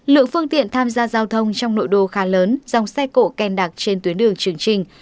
lượng phương tiện tham gia giao thông trong nội đô khá lớn dòng xe cổ kèn đặc trên tuyến đường trường trình